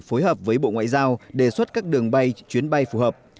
phối hợp với bộ ngoại giao đề xuất các đường bay chuyến bay phù hợp